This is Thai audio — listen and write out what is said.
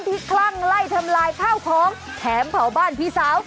คลั่งไล่ทำลายข้าวของแถมเผาบ้านพี่สาว